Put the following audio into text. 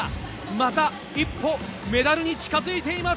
また一歩メダルに近付いています。